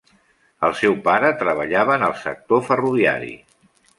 El seu pare treballava en el sector ferroviari.